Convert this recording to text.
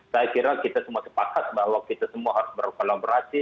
saya kira kita semua sepakat bahwa kita semua harus berkolaborasi